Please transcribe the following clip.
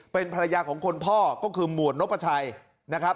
เป็นภรรยาของคนพ่อก็คือหมวดนพชัยนะครับ